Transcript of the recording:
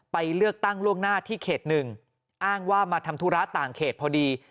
ไปเลือกตั้งล่วงหน้าที่เขต๑อ้างว่ามาทำธุระต่างเขตพอดี